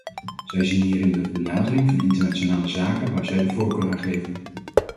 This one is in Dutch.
Zij zien hierin de benadering van internationale zaken waar zij de voorkeur aan geven.